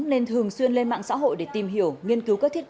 nên thường xuyên lên mạng xã hội để tìm hiểu nghiên cứu các thiết kế